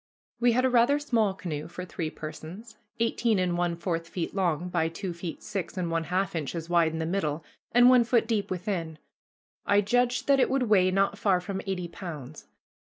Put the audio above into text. We had a rather small canoe for three persons, eighteen and one fourth feet long by two feet six and one half inches wide in the middle, and one foot deep within. I judged that it would weigh not far from eighty pounds.